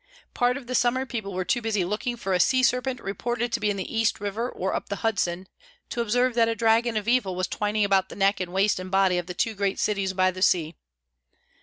Part of the summer people were too busy looking for a sea serpent reported to be in the East River or up the Hudson to observe that a Dragon of Evil was twining about the neck and waist and body of the two great cities by the sea.